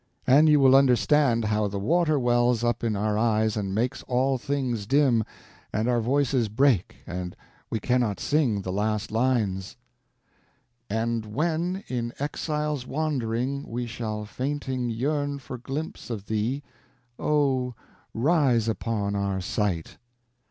And you will understand how the water wells up in our eyes and makes all things dim, and our voices break and we cannot sing the last lines: "And when, in Exile wand'ring, we Shall fainting yearn for glimpse of thee, Oh, rise upon our sight!"